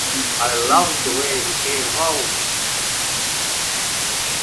I loved the way he came home.